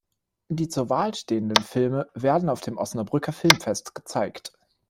Die zur Wahl stehenden Filme werden auf dem Osnabrücker Filmfest gezeigt.